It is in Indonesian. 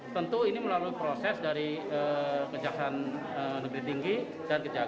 tentu ini melalui proses dari kejaksaan negeri tinggi dan kejaksaan